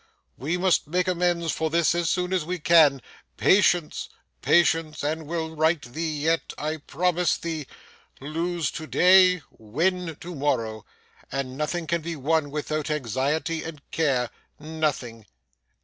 We must make amends for this as soon as we can. Patience patience, and we'll right thee yet, I promise thee. Lose to day, win to morrow. And nothing can be won without anxiety and care nothing.